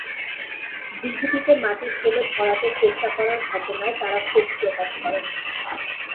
দিঘিটিতে মাটি ফেলে ভরাটের চেষ্টা করার ঘটনায় তাঁরা ক্ষোভ প্রকাশ করেন।